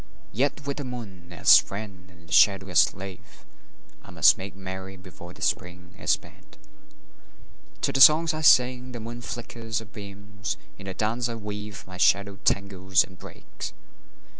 Yet with the moon as friend and the shadow as slave I must make merry before the Spring is spent. To the songs I sing the moon flickers her beams; In the dance I weave my shadow tangles and breaks.